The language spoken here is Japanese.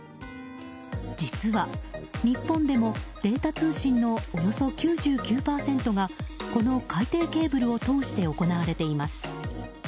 実は日本でもデータ通信のおよそ９９％がこの海底ケーブルを通して行われています。